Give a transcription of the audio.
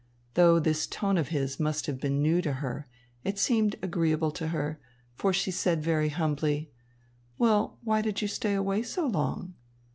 Though this tone of his must have been new to her, it seemed agreeable to her, for she said very humbly: "Well, why did you stay away so long?"